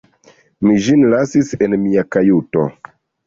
Mi ĝin lasis en mia kajuto.